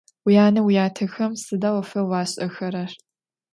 Vuyane - vuyatexem sıda 'ofeu aş'erer?